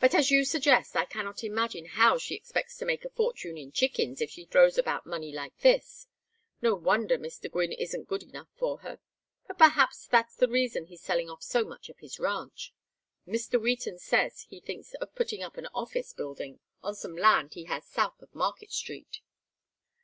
"But as you suggest, I cannot imagine how she expects to make a fortune in chickens if she throws about money like this. No wonder Mr. Gwynne isn't good enough for her but perhaps that's the reason he's selling off so much of his ranch. Mr. Wheaton says he thinks of putting up an office building on some land he has south of Market Street."